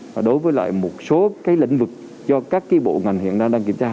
và đối với lại một số cái lĩnh vực do các cái bộ ngành hiện đang kiểm tra